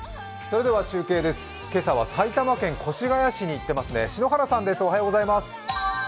中継です、今朝は埼玉県越谷市に行ってますね、篠原さんです。